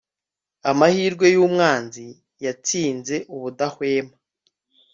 amahirwe yumwanzi yatsinze ubudahwema